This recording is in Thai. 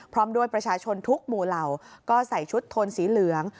พร้อมด้วยประชาชนทุกหมู่เหล่าก็ใส่ชุดโทนสีเหลือง